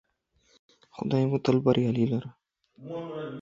جغرافيايي چاپيريال د انسان اخلاق بدلوي.